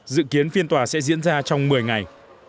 dự kiến phiên tòa sẽ diễn ra trong một mươi ngày